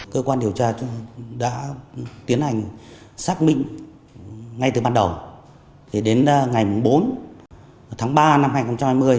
cơ quan điều tra đã tiến hành xác minh ngay từ ban đầu đến ngày bốn tháng ba năm hai nghìn hai mươi